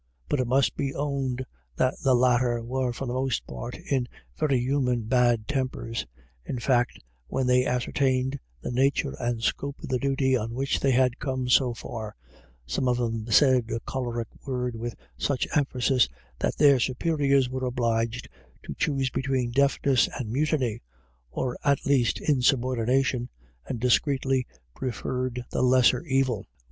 But it must be owned that the latter were for the most part in very human bad tempers. In fact when they ascertained the nature and scope of the duty on which they had come so far, some of them said a choleric word with such emphasis that their superiors were obliged to choose between deafness and mutiny, or at least insubordination, and discreetly preferred the lesser evil.